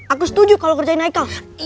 aku setuju kalau ngerjain haikal